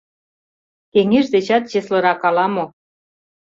Кеҥеж дечат чеслырак ала-мо.